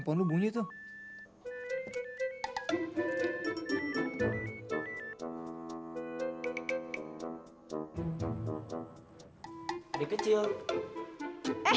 apa kamu sudah lagi kecepatan maka akan dibakar